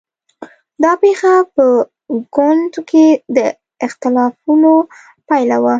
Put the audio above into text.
دا پېښه په ګوند کې د اختلافونو پایله وه.